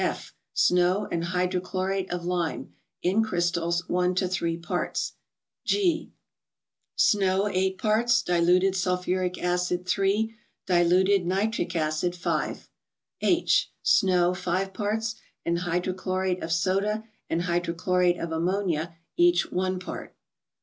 F. —Snow and hydrochlorate of lime, in crystals, 1 to 3 parts. G. —Snow 8 parts, diluted sulphuric acid 3, diluted ni¬ tric acid 5. H. —Snow 5 parts, and hydrochlorate of soda and hydrochlorate of ammonia, each one part.